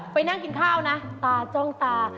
ไปนั่งกินข้าวนะตาจ้องตา